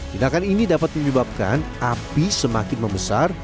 tindakan ini dapat menyebabkan api semakin membesar